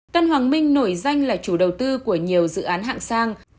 tân hoàng minh nổi danh là chủ đầu tư của nhiều dự án hạng sang